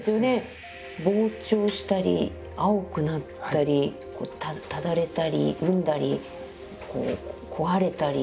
膨張したり青くなったり爛れたり膿んだり壊れたり。